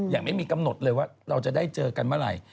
อย่างไม่มีกำหนดเลยว่าเราจะได้เจอกันเมื่อไหร่